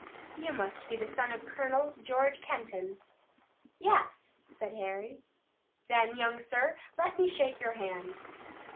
You must be the son of Colonel George Kenton." "Yes," said Harry. "Then, young sir, let me shake your hand."